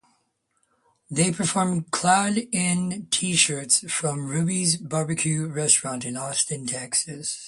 They perform clad in t-shirts from Ruby's Barbecue Restaurant in Austin, Texas.